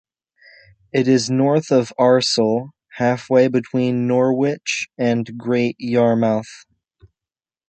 It is north of Acle, halfway between Norwich and Great Yarmouth.